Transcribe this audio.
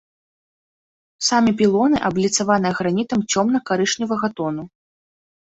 Самі пілоны абліцаваныя гранітам цёмна-карычневага тону.